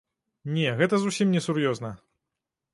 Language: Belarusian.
Не, гэта зусім несур'ёзна.